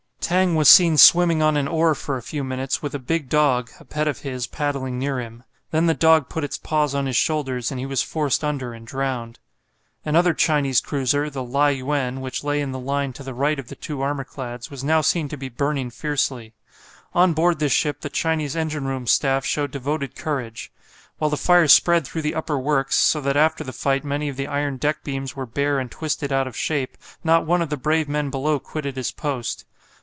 Tang was seen swimming on an oar for a few minutes, with a big dog a pet of his paddling near him. Then the dog put its paws on his shoulders, and he was forced under and drowned. Another Chinese cruiser, the "Lai yuen," which lay in the line to the right of the two armour clads, was now seen to be burning fiercely. On board this ship the Chinese engine room staff showed devoted courage. While the fire spread through the upper works, so that after the fight many of the iron deck beams were bare and twisted out of shape, not one of the brave men below quitted his post.